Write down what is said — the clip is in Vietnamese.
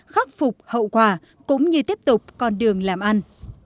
khắc phục hậu quả cũng như tiếp tục con đường làm ăn